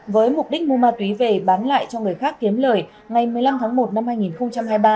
với mục đích mua ma túy về bán lại cho người khác kiếm lời ngày một mươi năm tháng một năm hai nghìn hai mươi ba